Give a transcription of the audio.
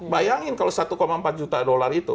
bayangin kalau satu empat juta dolar itu